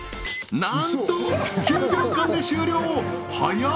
なんと９秒間で終了はやっ！